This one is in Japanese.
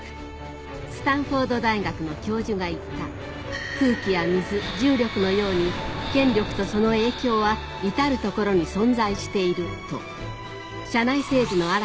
スタンフォード大学の教授が言った「空気や水重力のように権力とその影響は至る所に存在している」と社内政治の嵐